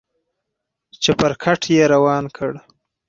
چپرکټ يې روان کړ.